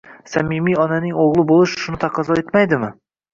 samimiy onaning o'g'li bo'lish shuni taqozo etmaydimi?